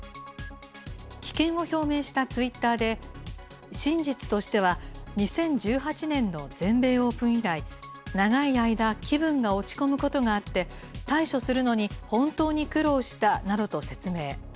棄権を表明したツイッターで、真実としては、２０１８年の全米オープン以来、長い間、気分が落ち込むことがあって、対処するのに本当に苦労したなどと説明。